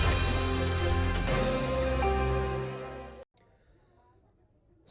inilah lagu lama yang masih mengalun hingga kini